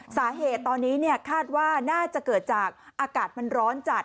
สาเหตุตอนนี้คาดว่าน่าจะเกิดจากอากาศมันร้อนจัด